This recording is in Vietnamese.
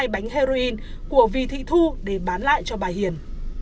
hai bánh heroin của vi thị thu để bán lại cho bà hiền